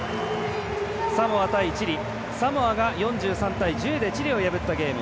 サモア対チリサモアが４３対１０でチリを破ったゲーム。